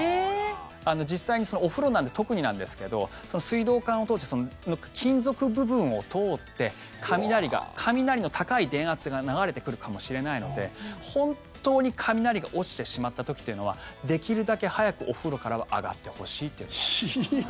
実際にお風呂なんで特になんですけど水道管を通して金属部分を通って雷の高い電圧が流れてくるかもしれないので本当に雷が落ちてしまった時というのはできるだけ早くお風呂からは上がってほしいという。